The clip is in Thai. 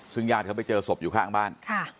ซึ่งญาติเขาไปเจอศพอยู่ข้างบ้าน